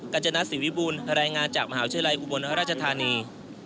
จจนัสสิวิบูรณ์รายงานจากมหาวิทยาลัยอุบลราชธานี